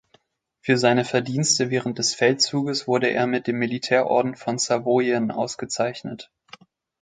Für seine Verdienste während des Feldzuges wurde er mit dem Militärorden von Savoyen ausgezeichnet.